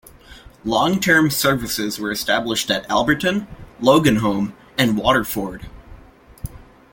Long-term services were established at Alberton, Loganholme and Waterford.